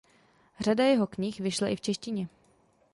Řada jeho knih vyšla i v češtině.